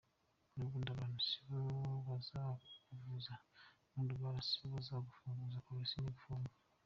N’ubundi abantu sibo bazakuvuza nurwara, sibo bazagufunguza Polisi nigifunga.